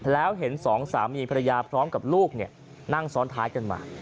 แล้วเห็นสองสามีภรรยาพร้อมกับลูกนั่งซ้อนท้ายกันมา